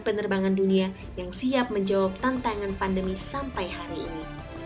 penerbangan dunia yang siap menjawab tantangan pandemi sampai hari ini